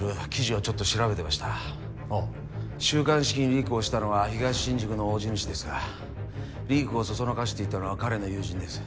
週刊四季にリークをしたのは東新宿の大地主ですがリークを唆していたのは彼の友人です。